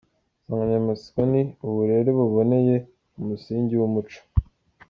Insanganyamatsiko ni : “Uburere buboneye, umusingi w’Umuco.”